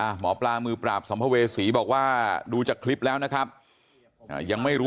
หมอปลามือปราบสัมภเวษีบอกว่าดูจากคลิปแล้วนะครับยังไม่รู้